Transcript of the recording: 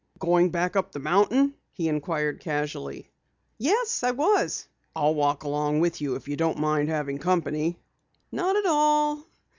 "Going back up the mountain?" he inquired casually. "Yes, I was." "I'll walk along if you don't mind having company." "Not at all."